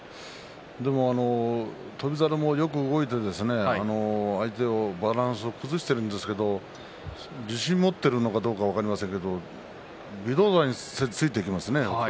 翔猿もよく動いて相手のバランスを崩しているんですけど自信を持っているのかどうか分かりませんけど微動だにせず突いていきますね北勝